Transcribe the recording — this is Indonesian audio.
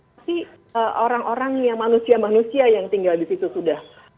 tapi orang orang yang manusia manusia yang tinggal di situ sudah